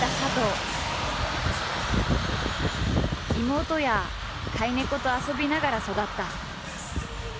妹や飼い猫と遊びながら育った。